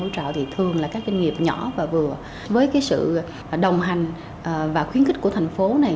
hỗ trợ thì thường là các doanh nghiệp nhỏ và vừa với sự đồng hành và khuyến khích của thành phố này